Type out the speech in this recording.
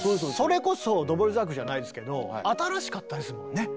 それこそドボルザークじゃないですけど新しかったですもんね。